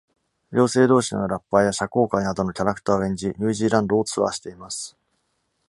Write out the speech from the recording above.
両性同士のラッパーや社交界などのキャラクターを演じ、New Zealand をツアーしています。